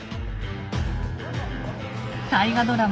大河ドラマ